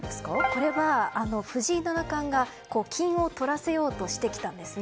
これは、藤井七冠が金を取らせようとしてきたんです。